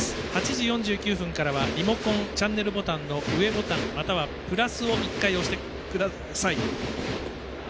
８時４９分からはリモコンチャンネルボタンの上ボタン、またはプラスを１回、押してください。